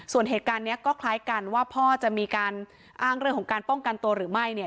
ส่วนเหตุการณ์นี้ก็คล้ายกันว่าพ่อจะมีการอ้างเรื่องของการป้องกันตัวหรือไม่เนี่ย